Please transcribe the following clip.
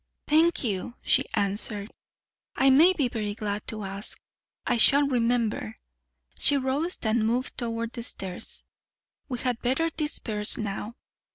"Thank you," she answered. "I may be very glad to ask. I shall remember." She rose and moved toward the stairs. "We had better disperse now.